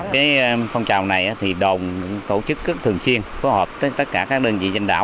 cái phong trào này thì đồng tổ chức rất thường chiên phối hợp với tất cả các đơn vị trên đảo